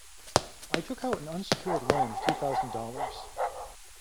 I took out an unsecured loan of two thousand dollars.